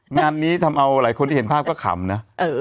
งานนี้ทำเอาหลายคนที่เห็นภาพก็ขำนะ